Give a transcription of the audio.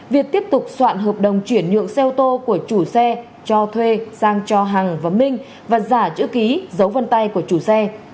việt tiếp tục soạn hợp đồng chuyển nhượng xe ô tô của chủ xe cho thuê sang cho hằng và minh và giả chữ ký dấu vân tay của chủ xe